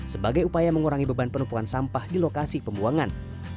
sebagai upaya mengurangi beban penumpukan sampah di lokasi pembuangan